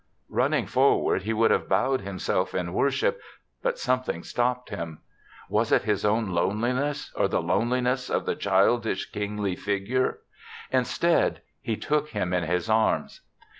Running forward he would have bowed himself in worship, but some thing stopped him. Was it his own loneliness, or the loneliness of the childish kingly figure? Instead, he took him in his arms.